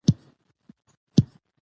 اوړي د افغانستان د طبیعي زیرمو برخه ده.